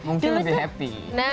mungkin lebih happy